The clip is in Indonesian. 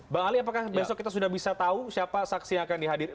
bang ali apakah besok kita sudah bisa tahu siapa saksi yang akan dihadirkan